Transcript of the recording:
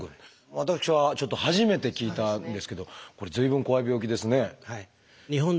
私はちょっと初めて聞いたんですけどこれ随分怖い病気ですね。